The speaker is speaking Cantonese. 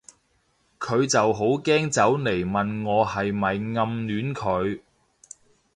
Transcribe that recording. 佢就好驚走嚟問我係咪暗戀佢